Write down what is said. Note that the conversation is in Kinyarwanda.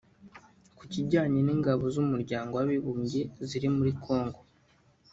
Ku kijyanye n’ingabo z’Umuryango w’Abibumbye ziri muri Congo